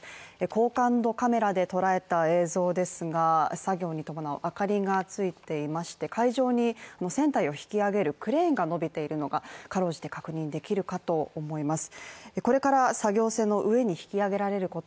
高感度カメラで捉えた映像ですが、作業に伴う明かりがついていまして海上にも船体を引き揚げるクレーンが伸びているのがかろうじて確認できるかと思います